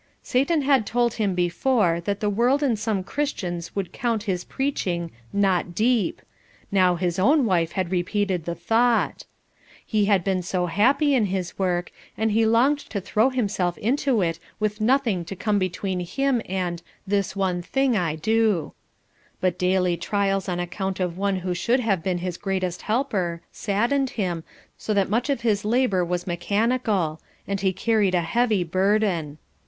Satan had told him before that the world and some Christians would count his preaching "not deep;" now his own wife had repeated the thought. He had been so happy in his work, and he longed to throw himself into it with nothing to come between him and "This one thing I do." But daily trials on account of one who should have been his greatest helper, saddened him, so that much of his labour was mechanical, and he carried a heavy burden.